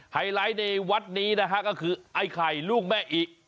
ไฮไลท์ในวัดนี้นะฮะก็คือไอ้ไข่ลูกแม่อิ